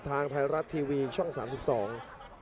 ทางไทยรัฐทีวีช่อง๓๒